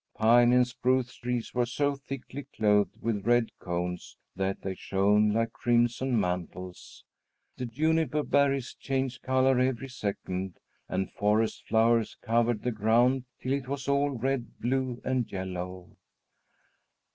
Pine and spruce trees were so thickly clothed with red cones that they shone like crimson mantles. The juniper berries changed color every second, and forest flowers covered the ground till it was all red, blue, and yellow.